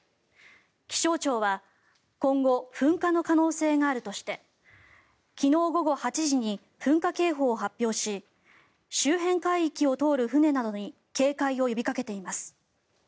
気象庁は今後、噴火の可能性があるとして昨日午後８時に噴火警報を発表し周辺海域を通る船などに警戒を呼びかけています。